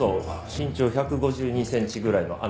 身長１５２センチぐらいのあなた。